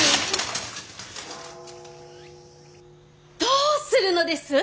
どうするのです。